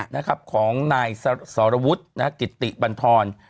นะครับของนายสรวุฒินะฮะกิติบันทร